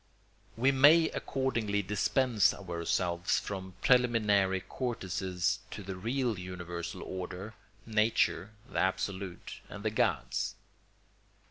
We may accordingly dispense ourselves from preliminary courtesies to the real universal order, nature, the absolute, and the gods.